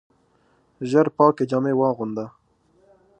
ژر پاکي جامې واغونده !